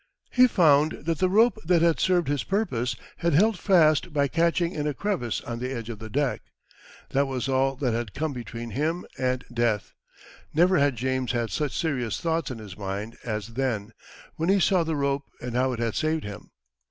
He found that the rope that had served his purpose had held fast by catching in a crevice on the edge of the deck. That was all that had come between him and death. Never had James had such serious thoughts in his mind as then, when he saw the rope and how it had saved him.